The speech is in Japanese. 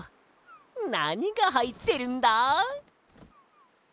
なにがはいってるんだ？